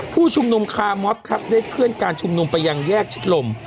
ผู้ชุมนุมคาร์มอฟครับได้เคลื่อนการชุมนุมไปยังแยกชิดลม